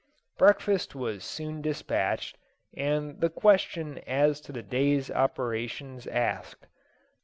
Breakfast was soon despatched, and the question as to the day's operations asked.